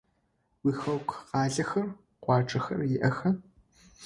Уихэку къалэхэр, къуаджэхэр иӏэха?